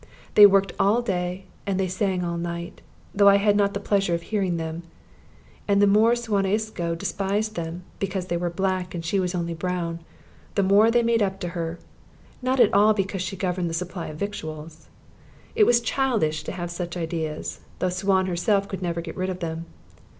They worked all day and they sang all night, though I had not the pleasure of hearing them; and the more Suan Isco despised them because they were black, and she was only brown the more they made up to her, not at all because she governed the supply of victuals. It was childish to have such ideas, though Suan herself could never get rid of them.